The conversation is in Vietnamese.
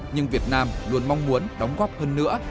nhưng việt nam luôn mong muốn đóng góp hơn nữa